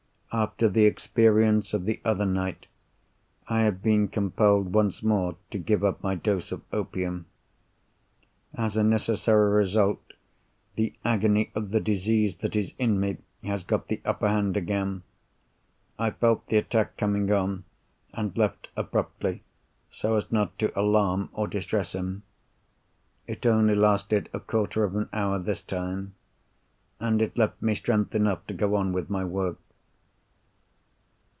After the experience of the other night, I have been compelled once more to give up my dose of opium. As a necessary result, the agony of the disease that is in me has got the upper hand again. I felt the attack coming on, and left abruptly, so as not to alarm or distress him. It only lasted a quarter of an hour this time, and it left me strength enough to go on with my work.